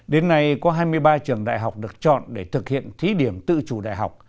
đến nay có hai mươi ba trường đại học được chọn để thực hiện thí điểm tự chủ đại học